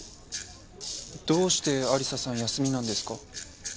どうして亜里沙さん休みなんですか？